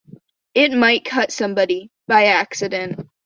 It might cut somebody, by accident.